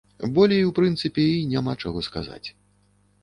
Болей, у прынцыпе, і няма чаго сказаць.